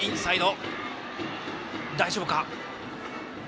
大丈夫か。